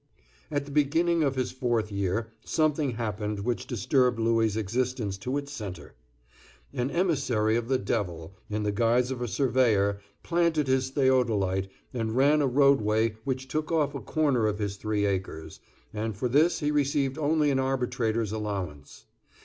At the beginning of his fourth year something happened which disturbed Louis' existence to its centre. An emissary of the devil, in the guise of a surveyor, planted his theodolite, and ran a roadway which took off a corner of his three acres, and for this he received only an arbitrator's allowance.